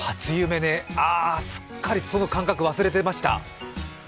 あ、すっかりその感覚忘れてました。